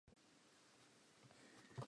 Karolo ka nngwe re e bitsa eng?